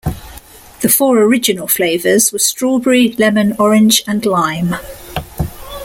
The four original flavours were strawberry, lemon, orange, and lime.